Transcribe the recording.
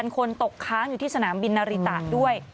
คนตกค้างอยู่ที่สนามบินนาริตะด้วย